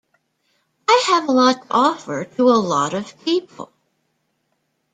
I have a lot to offer to a lot of people.